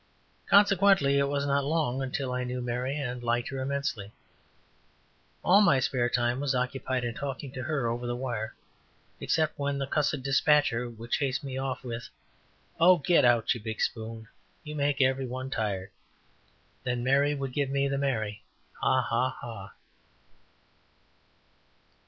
Consequently it was not long until I knew Mary and liked her immensely. All my spare time was occupied in talking to her over the wire, except when the cussed despatcher would chase me off with, "Oh! get out you big spoon, you make every one tired." Then Mary would give me the merry, "Ha, ha, ha."